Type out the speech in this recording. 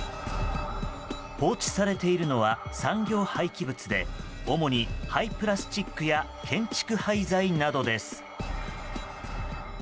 放置されているのは産業廃棄物で主に廃プラスチックや建築廃材などです。